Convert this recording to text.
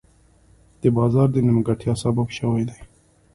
د بازار د نیمګړتیا سبب شوي دي.